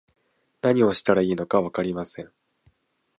何をしたらいいのかわかりません